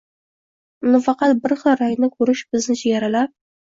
uni faqat bir xil rangda koʻrish bizni chegaralab